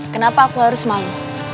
kenapa aku harus malu